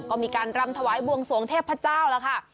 ก็มีการรำถวายบวงสวงเทพเจ้าแล้วค่ะ